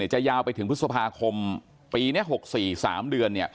จะยาวไปถึงพฤษภาคมปีนี้๖๔๓เดือน